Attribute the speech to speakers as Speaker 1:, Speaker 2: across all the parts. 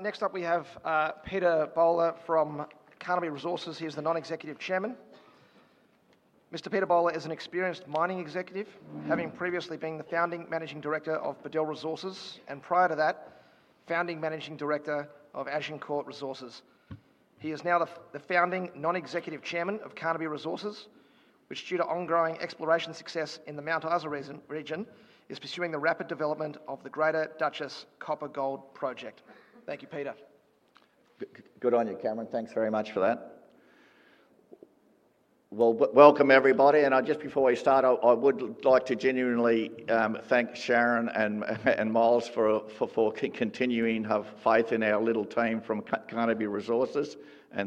Speaker 1: Next up, we have Peter Bowler from Carnaby Resources. He is the Non-Executive Chairman. Mr. Peter Bowler is an experienced mining executive, having previously been the founding Managing Director of Beadell Resources and prior to that, founding Managing Director of Agincourt Resources. He is now the founding Non-Executive Chairman of Carnaby Resources, which, due to ongoing exploration success in the Mount Isa region, is pursuing the rapid development of the Greater Duchess Copper Gold Project. Thank you, Peter.
Speaker 2: Good on you, Cameron. Thanks very much for that. Welcome everybody. Just before we start, I would like to genuinely thank Sharon and Miles for continuing to have faith in our little team from Carnaby Resources.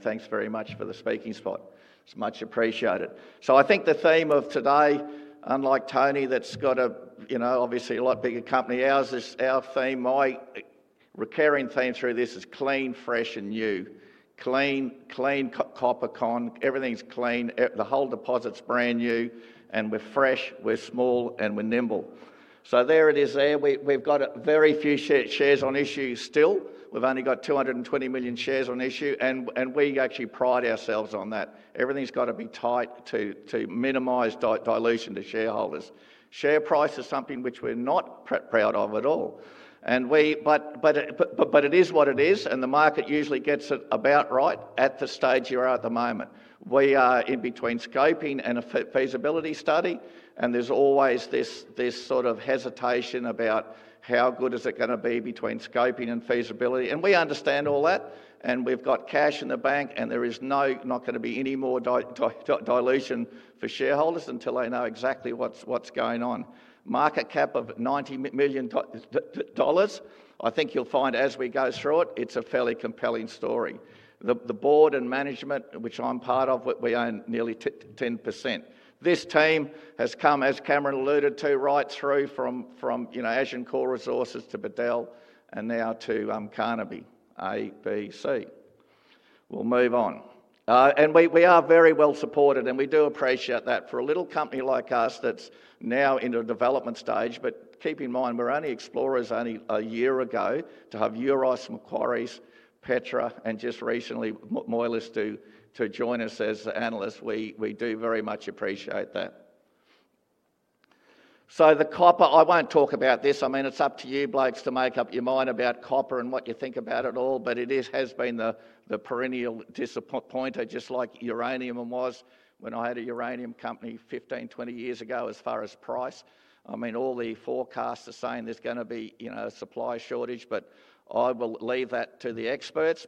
Speaker 2: Thanks very much for the speaking spot. It's much appreciated. I think the theme of today, unlike Tony, that's got a, you know, obviously a lot bigger company. Our theme, my recurring theme through this, is clean, fresh, and new. Clean, clean copper cone. Everything's clean. The whole deposit's brand new. We're fresh, we're small, and we're nimble. There it is there. We've got very few shares on issue still. We've only got 220 million shares on issue. We actually pride ourselves on that. Everything's got to be tight to minimize dilution to shareholders. Share price is something which we're not proud of at all, but it is what it is. The market usually gets it about right at the stage you are at the moment. We are in between scoping and a feasibility study. There's always this sort of hesitation about how good is it going to be between scoping and feasibility. We understand all that. We've got cash in the bank. There is not going to be any more dilution for shareholders until they know exactly what's going on. Market cap of $90 million. I think you'll find as we go through it, it's a fairly compelling story. The board and management, which I'm part of, we own nearly 10%. This team has come, as Cameron alluded to, right through from Agincourt Resources to Beadell and now to Carnaby, A, B, C. We'll move on. We are very well supported. We do appreciate that for a little company like us that's now in a development stage. Keep in mind, we're only explorers only a year ago to have Euroz, Macquarie, Petra, and just recently Moelis to join us as analysts. We do very much appreciate that. The copper, I won't talk about this. I mean, it's up to you blokes to make up your mind about copper and what you think about it all. It has been the perennial disappointment, just like uranium was when I had a uranium company 15-20 years ago as far as price. I mean, all the forecasts are saying there's going to be a supply shortage. I will leave that to the experts.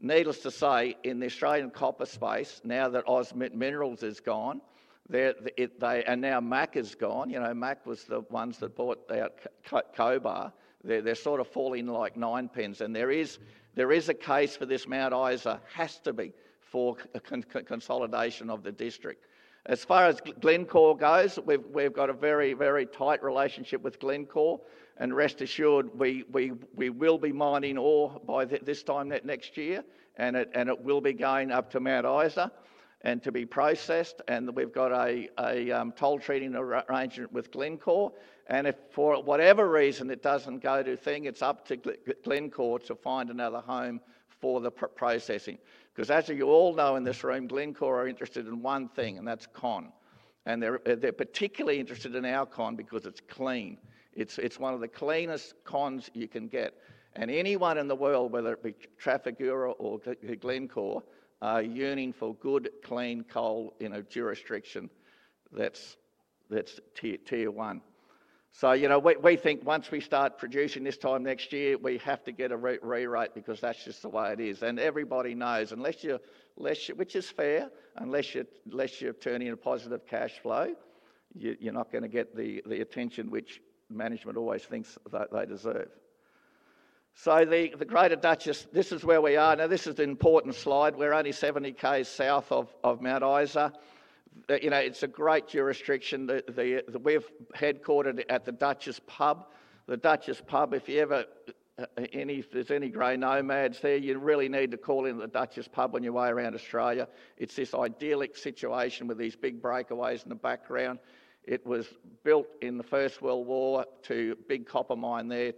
Speaker 2: Needless to say, in the Australian copper space, now that Ausmelt minerals is gone, they are now MAC is gone. You know, MAC was the ones that bought out Cobar. They're sort of falling like nine pins. There is a case for this Mount Isa has to be for consolidation of the district. As far as Glencore goes, we've got a very, very tight relationship with Glencore. Rest assured, we will be mining ore by this time next year. It will be going up to Mount Isa to be processed. We've got a tolling arrangement with Glencore. If for whatever reason it doesn't go to plan, it's up to Glencore to find another home for the processing. As you all know in this room, Glencore are interested in one thing, and that's [copper]. They're particularly interested in our [copper] because it's clean. It's one of the cleanest [coppers] you can get. Anyone in the world, whether it be Trafigura or Glencore, are yearning for good, clean [copper] in a jurisdiction that's tier one. We think once we start producing this time next year, we have to get a rewrite because that's just the way it is. Everybody knows, unless you're, which is fair, unless you're turning in a positive cash flow, you're not going to get the attention which management always thinks they deserve. The Greater Duchess, this is where we are. Now, this is an important slide. We're only 70 km south of Mount Isa. It's a great jurisdiction. We're headquartered at the Duchess Pub. The Duchess Pub, if there's any grey nomads there, you really need to call in the Duchess Pub on your way around Australia. It's this idyllic situation with these big breakaways in the background. It was built in World War I to support a big copper mine there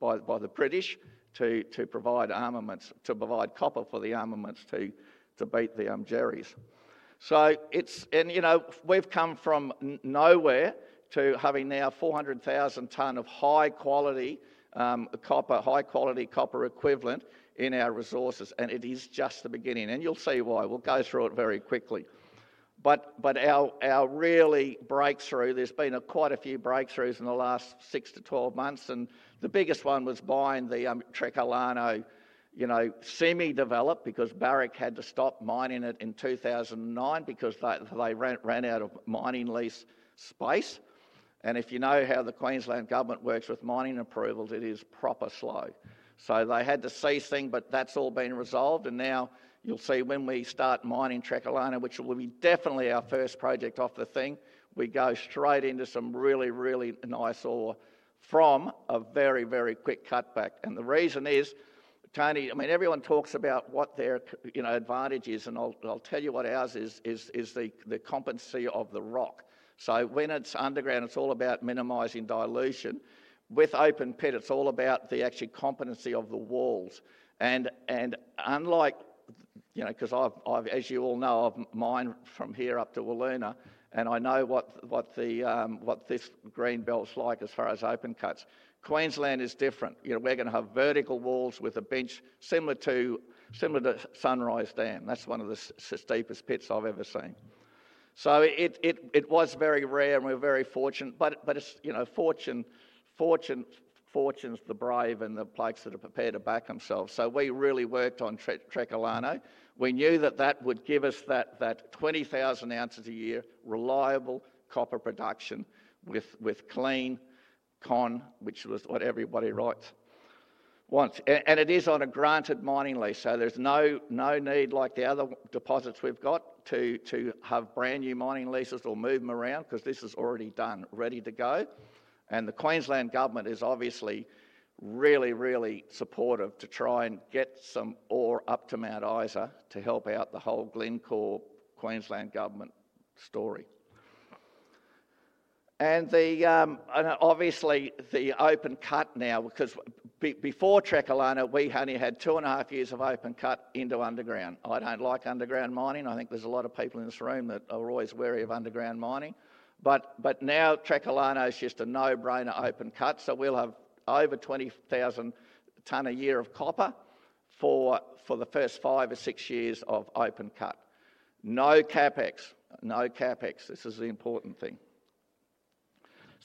Speaker 2: by the British to provide copper for the armaments to beat the Jerry's. We've come from nowhere to having now 400,000 tons of high quality copper, high quality copper equivalent in our resources. It is just the beginning, and you'll see why. We'll go through it very quickly. Our real breakthrough, there's been quite a few breakthroughs in the last 6-12 months. The biggest one was buying the Trekelano, semi-developed because Barrick had to stop mining it in 2009 because they ran out of mining lease space. If you know how the Queensland government works with mining approvals, it is proper slow. They had to cease, but that's all been resolved. Now you'll see when we start mining Trekelano, which will definitely be our first project off the rank, we go straight into some really, really nice ore from a very, very quick cutback. The reason is, Tony, I mean, everyone talks about what their advantage is, and I'll tell you what ours is, is the competency of the rock. When it's underground, it's all about minimizing dilution. With open-pit, it's all about the actual competency of the walls. Unlike, you know, because as you all know, I've mined from here up to Wiluna, and I know what this green belt's like as far as open cuts. Queensland is different. We're going to have vertical walls with a bench similar to Sunrise Dam. That's one of the steepest pits I've ever seen. It was very rare, and we're very fortunate. Fortune favors the brave and the plates that are prepared to back themselves. We really worked on Trekelano. We knew that would give us that 20,000 oz a year reliable copper production with clean [copper], which was what everybody wants. It is on a granted mining lease. There's no need like the other deposits we've got to have brand new mining leases or move them around because this is already done, ready to go. The Queensland government is obviously really, really supportive to try and get some ore up to Mount Isa to help out the whole Glencore, Queensland government story. The open cut now, because before Trekelano, we only had two and a half years of open cut into underground. I don't like underground mining. I think there's a lot of people in this room that are always wary of underground mining. Now Trekelano is just a no-brainer open cut. We'll have over 20,000 ton a year of copper for the first five or six years of open cut. No CapEx. No CapEx. This is the important thing.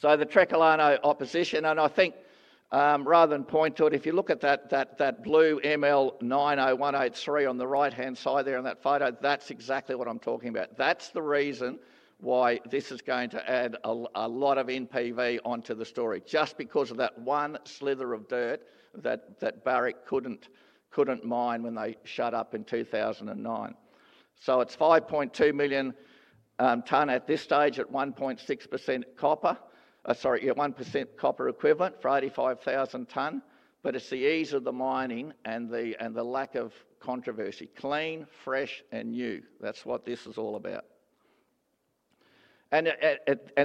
Speaker 2: The Trekelano opposition, and I think rather than point to it, if you look at that blue ML90183 on the right-hand side there on that photo, that's exactly what I'm talking about. That's the reason why this is going to add a lot of NPV onto the story, just because of that one slither of dirt that Barrick couldn't mine when they shut up in 2009. It's 5.2 million tons at this stage at 1.6% copper, sorry, yeah, 1% copper equivalent for 85,000 tons. It's the ease of the mining and the lack of controversy. Clean, fresh, and new. That's what this is all about.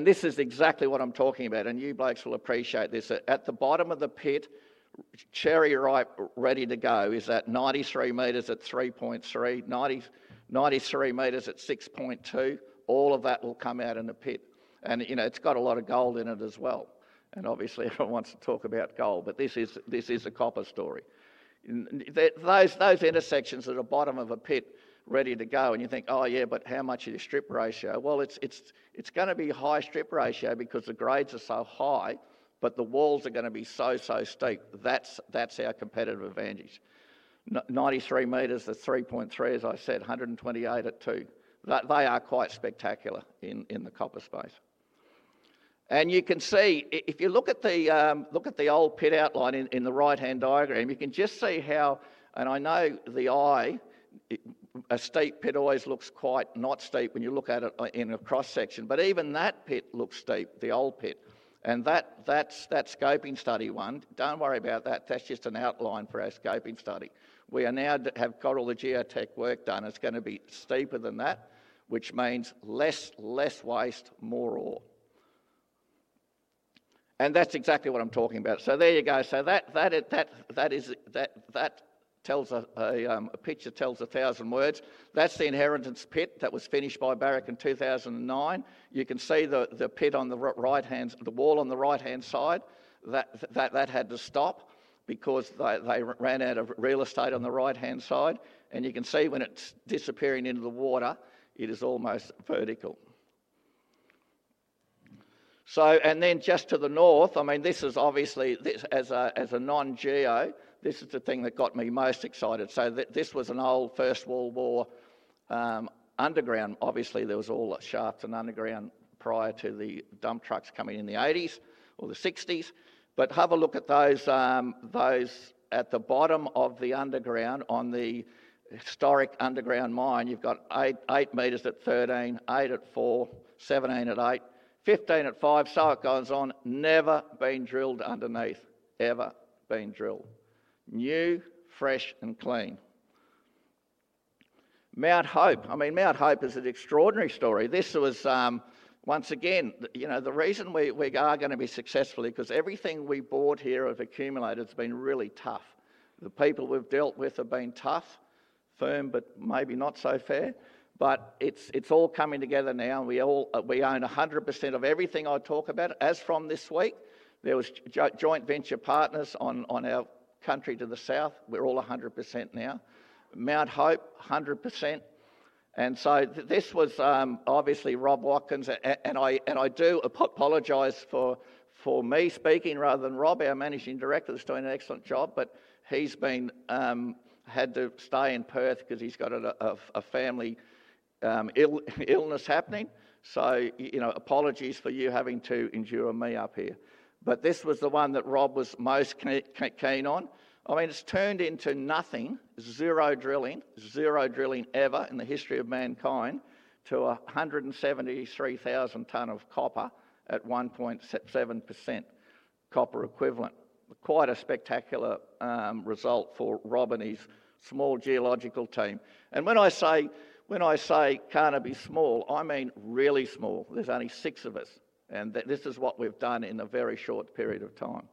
Speaker 2: This is exactly what I'm talking about. You blokes will appreciate this. At the bottom of the pit, it's cherry ripe, ready to go, is at 93 m at 3.3%, 93 m at 6.2%. All of that will come out in a pit. You know, it's got a lot of gold in it as well. Obviously, everyone wants to talk about gold. This is a copper story. Those intersections at the bottom of a pit, ready to go. You think, oh yeah, but how much is your strip ratio? It's going to be high strip ratio because the grades are so high, but the walls are going to be so, so steep. That's our competitive advantage. 93 m at 3.3%, as I said, 128 m at 2%. They are quite spectacular in the copper space. You can see, if you look at the old pit outline in the right-hand diagram, you can just see how, and I know the eye, a steep pit always looks quite not steep when you look at it in a cross section, but even that pit looks steep, the old pit. That's that scoping study one. Don't worry about that. That's just an outline for our scoping study. We now have got all the geotech work done. It's going to be steeper than that, which means less waste, more ore. That's exactly what I'm talking about. There you go. That tells a picture, tells a thousand words. That's the inheritance pit that was finished by Barrick in 2009. You can see the pit on the right-hand side, the wall on the right-hand side, that had to stop because they ran out of real estate on the right-hand side. You can see when it's disappearing into the water, it is almost vertical. Just to the north, I mean, this is obviously, as a non-GEO, this is the thing that got me most excited. This was an old World War I underground. Obviously, there was all sharps and underground prior to the dump trucks coming in the 1980s or the 1960s. Have a look at those at the bottom of the underground on the historic underground mine. You've got 8 m at 13%, 8 m at 4%, 17 m at 8%, 15 m at 5%. It goes on. Never been drilled underneath. Ever been drilled. New, fresh, and clean. Mount Hope. Mount Hope is an extraordinary story. This was, once again, you know, the reason we are going to be successful is because everything we bought here have accumulated. It's been really tough. The people we've dealt with have been tough, firm, but maybe not so fair. It's all coming together now. We own 100% of everything I talk about. As from this week, there were joint venture partners on our country to the south. We're all 100% now. Mount Hope, 100%. This was obviously Rob Watkins. I do apologize for me speaking rather than Rob. Our Managing Director is doing an excellent job, but he's had to stay in Perth because he's got a family illness happening. Apologies for you having to endure me up here. This was the one that Rob was most keen on. I mean, it's turned into nothing, zero drilling, zero drilling ever in the history of mankind to 173,000 ton of copper at 1.7% copper equivalent. Quite a spectacular result for Rob and his small geological team. When I say Carnaby's small, I mean really small. There's only six of us. This is what we've done in a very short period of time.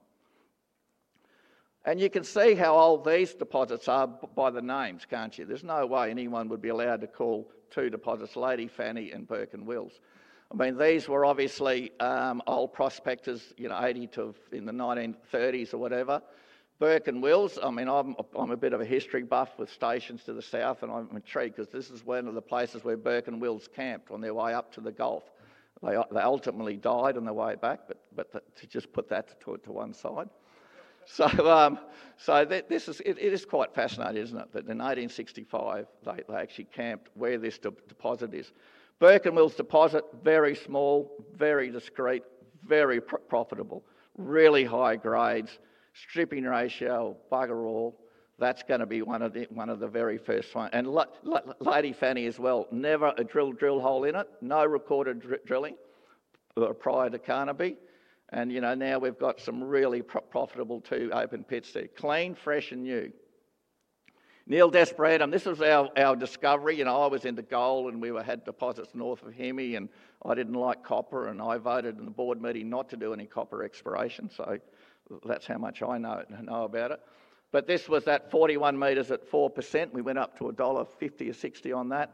Speaker 2: You can see how old these deposits are by the names, can't you? There's no way anyone would be allowed to call two deposits Lady Fanny and Burke and Wills. These were obviously old prospectors, you know, [80] to in the 1930s or whatever. Burke and Wills, I mean, I'm a bit of a history buff with stations to the south, and I'm intrigued because this is one of the places where Burke and Wills camped on their way up to the Gulf. They ultimately died on their way back, but to just put that to one side. It is quite fascinating, isn't it? In 1865, they actually camped where this deposit is. Burke and Wills deposit, very small, very discreet, very profitable, really high grades, stripping ratio, bugger all. That's going to be one of the very first ones. Lady Fanny as well, never a drill hole in it, no recorded drilling prior to Carnaby. Now we've got some really profitable two open pits there. Clean, fresh, and new. Nil Desperandum, this was our discovery. I was into gold and we had deposits north of [Hemi], and I didn't like copper, and I voted in the board meeting not to do any copper exploration. That's how much I know about it. This was at 41 m at 4%. We went up to $1.50 or $1.60 on that.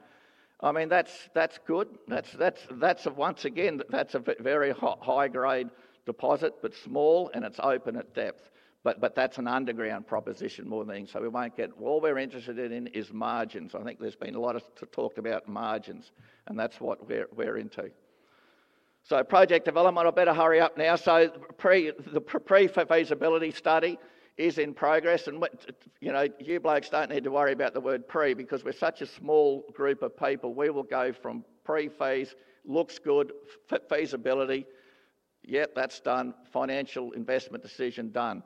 Speaker 2: I mean, that's good. That's once again, that's a very high grade deposit, but small, and it's open at depth. That's an underground proposition more than anything. We won't get, all we're interested in is margins. I think there's been a lot of talk about margins, and that's what we're into. Project development, I better hurry up now. The pre-feasibility study is in progress. You blokes don't need to worry about the word "pre" because we're such a small group of people. We will go from pre-phase, looks good, feasibility, yep, that's done, financial investment decision done.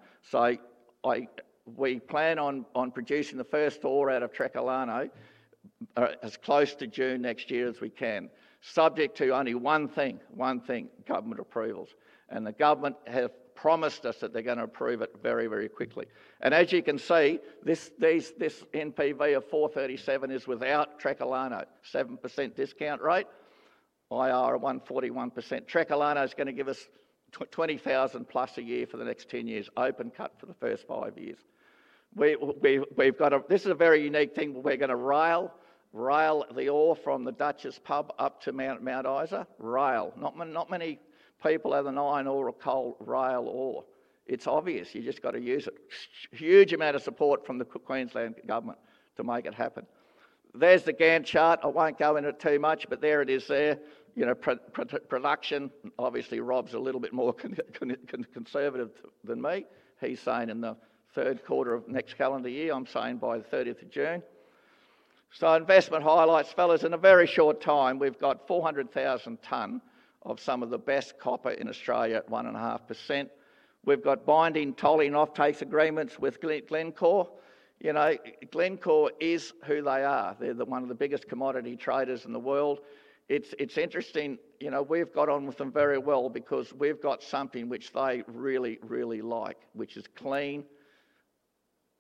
Speaker 2: We plan on producing the first ore out of Trekelano as close to June next year as we can, subject to only one thing: government approvals. The government have promised us that they're going to approve it very, very quickly. As you can see, this NPV of $437 million is without Trekelano, 7% discount rate, IRR 141%. Trekelano is going to give us 20,000+ a year for the next 10 years, open cut for the first five years. This is a very unique thing where we're going to rail the ore from the Duchess Pub up to Mount Isa. Not many people have the nine ore coal rail ore. It's obvious, you just got to use it. Huge amount of support from the Queensland government to make it happen. There's the Gantt chart. I won't go into it too much, but there it is. Production, obviously, Rob's a little bit more conservative than me. He's saying in the third quarter of next calendar year, I'm saying by the 30th of June. Investment highlights, fellas: in a very short time, we've got 400,000 tons of some of the best copper in Australia at 1.5%. We've got binding tolling offtake agreements with Glencore. Glencore is who they are, they're one of the biggest commodity traders in the world. It's interesting, we've got on with them very well because we've got something which they really, really like, which is clean,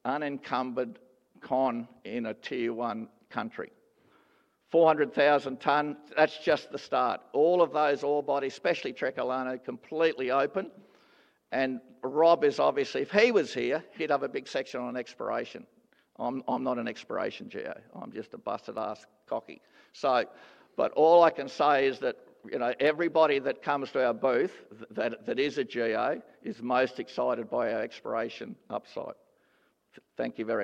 Speaker 2: unencumbered [copper] in a tier one country. 400,000 tons, that's just the start. All of those ore bodies, especially Trekelano, completely open. Rob is obviously, if he was here, he'd have a big section on exploration. I'm not an exploration GEO, I'm just a busted ass cocky. All I can say is that everybody that comes to our booth that is a GEO is most excited by our exploration upside. Thank you very much.